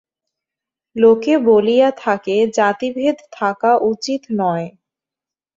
লোকে বলিয়া থাকে, জাতিভেদ থাকা উচিত নয়।